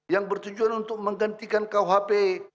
yang bertujuan untuk menggantikan kuhp